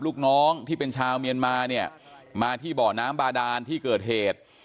ลูกน้องที่เป็นชาวเมียนมาเนี่ยมาที่เบาะน้ำบาดานที่เกิดเหตุ